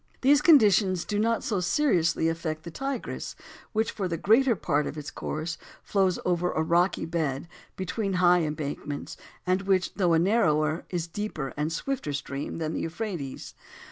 These conditions do not so seriously affect the Tigris, which for the greater part of its course flows over a rocky bed, between high embankments, and which, though a narrower, is a deeper and swifter stream than the Euphrates.